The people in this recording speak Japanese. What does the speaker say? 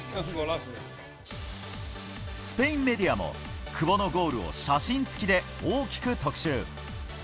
スペインメディアも、久保のゴールを写真付きで大きく特集。